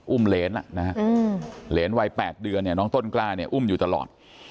อุ้มเล้นนะฮะเล้นวัยแปดเดือนเนี้ยน้องต้นกล้าเนี้ยอุ้มอยู่ตลอด